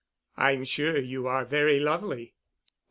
"I'm sure you are very lovely."